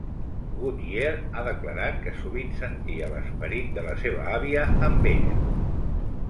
Goodyear ha declarat que sovint sentia l'esperit de la seva àvia amb ella.